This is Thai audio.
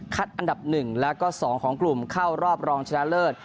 อันดับ๑แล้วก็๒ของกลุ่มเข้ารอบรองชนะเลิศ